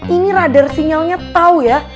ini radar sinyalnya tahu ya